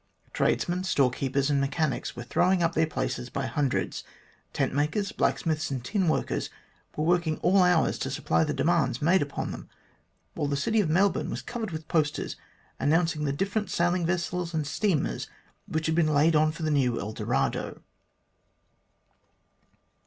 Tradesmen, storekeepers, and mechanics were throwing up their places by hundreds. Tent makers, blacksmiths, and tin workers were working all hours to supply the demands made upon them, while the city of Melbourne was covered with posters announcing the different sailing vessels and steamers which had been laid on for the new El Dorado.